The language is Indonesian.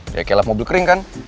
ya kayak silap mobil kering kan